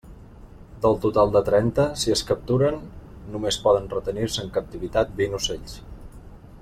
Del total de trenta, si es capturen, només poden retenir-se en captivitat vint ocells.